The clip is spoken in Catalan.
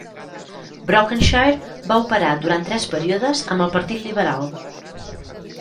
Brokenshire va operar durant tres períodes amb el Partit Liberal.